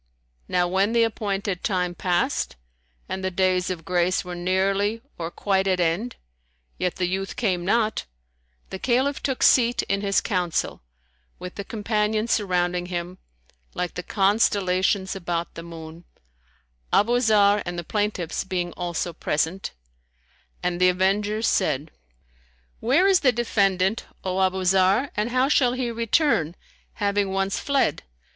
Now when the appointed time passed and the days of grace were nearly or quite at end yet the youth came not, the Caliph took seat in his council, with the Companions surrounding him, like the constellations about the moon, Abu Zarr and the plaintiffs being also present; and the avengers said, "Where is the defendant, O Abu Zarr, and how shall he return, having once fled?